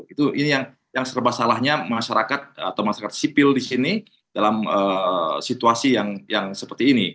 itu ini yang serba salahnya masyarakat atau masyarakat sipil di sini dalam situasi yang seperti ini